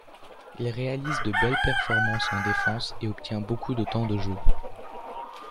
Il réalise de belles performances en défense et obtient beaucoup de temps de jeu.